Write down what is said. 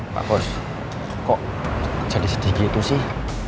pak bos kok jadi sedih gitu sih